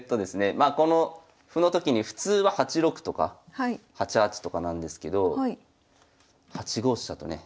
まあこの歩のときに普通は８六とか８八とかなんですけど８五飛車とね。